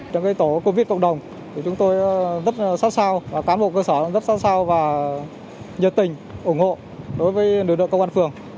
trong cái tổ covid cộng đồng chúng tôi rất sát sao cán bộ cơ sở rất sát sao và nhật tình ủng hộ đối với nữ đội công an phường